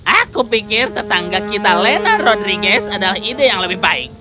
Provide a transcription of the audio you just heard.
aku pikir tetangga kita letna rodriguez adalah ide yang lebih baik